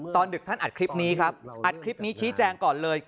ดึกท่านอัดคลิปนี้ครับอัดคลิปนี้ชี้แจงก่อนเลย